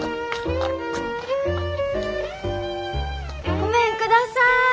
ごめんください。